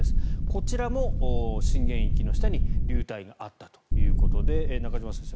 こちらも震源域の下に流体があったということで中島先生